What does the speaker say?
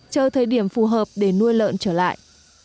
chờ thời điểm phù hợp để nuôi lợn trở lại